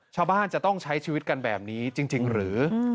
ชาวบ้านจะต้องใช้ชีวิตกันแบบนี้จริงหรือ